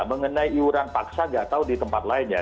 mengenai iuran paksa nggak tahu di tempat lain ya